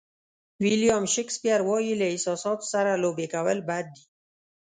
ویلیام شکسپیر وایي له احساساتو سره لوبې کول بد دي.